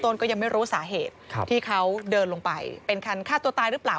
ก็ยังไม่รู้สาเหตุที่เขาเดินลงไปเป็นคันฆ่าตัวตายหรือเปล่า